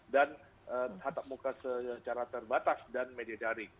dan tatap muka secara terbatas dan media daring